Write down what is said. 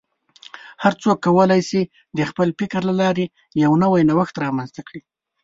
هر څوک کولی شي د خپل فکر له لارې یو نوی نوښت رامنځته کړي.